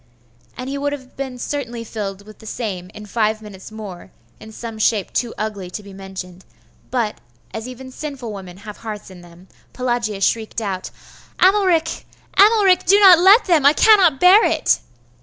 And he would have been certainly filled with the same in five minutes more, in some shape too ugly to be mentioned: but, as even sinful women have hearts in them, Pelagia shrieked out 'Amalric! Amalric! do not let them! I cannot bear it!